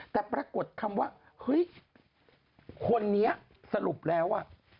แต่ปรากฏคำว่าเฮ้ยคนนี้สรุปแล้ว